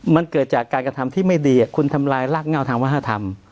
มันเกิดจากการกระทำที่ไม่ดีคุณทำลายรากเงาทางวัฒนธรรม